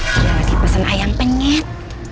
kita lagi pesen ayam penyet